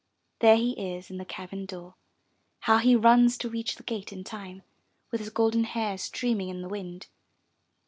There he is in the cabin door. How he runs to reach the gate in time, with his golden hair stream ing in the wind.